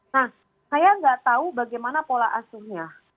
nah saya nggak tahu bagaimana pola asuhnya